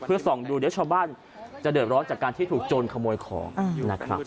เพื่อส่องดูเดี๋ยวชาวบ้านจะเดือดร้อนจากการที่ถูกโจรขโมยของนะครับ